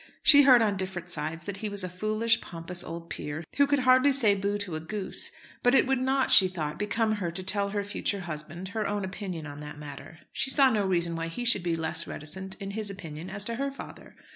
She heard on different sides that he was a foolish, pompous old peer, who could hardly say bo to a goose; but it would not, she thought, become her to tell her future husband her own opinion on that matter. She saw no reason why he should be less reticent in his opinion as to her father.